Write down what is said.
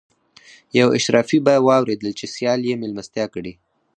یو اشرافي به واورېدل چې سیال یې مېلمستیا کړې.